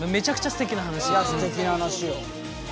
すてきな話よ。